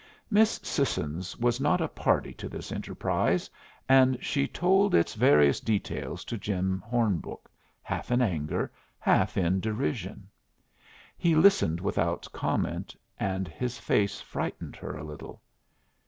Miss Sissons was not a party to this enterprise, and she told its various details to Jim Hornbrook, half in anger, half in derision. He listened without comment, and his face frightened her a little.